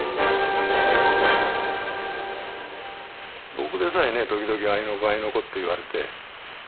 僕でさえね時々あいの子あいの子って言われて。